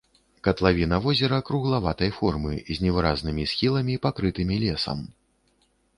Катлавіна возера круглаватай формы з невыразнымі схіламі, пакрытымі лесам.